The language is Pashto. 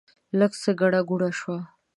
لږ څه ګڼه ګوڼه شوه.